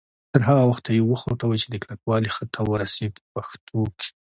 تر هغه وخته یې وخوټوئ چې د کلکوالي حد ته ورسیږي په پښتو کې.